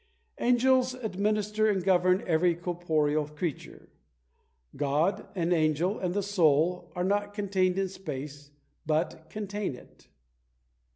Angels administer and govern every corporeal creature. God, an angel, and the soul, are not contained in space, but contain it.